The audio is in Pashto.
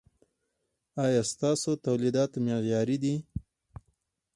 ایا ستاسو تولیدات معیاري دي؟